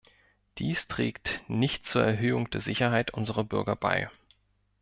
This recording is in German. Dies trägt nicht zur Erhöhung der Sicherheit unserer Bürger bei.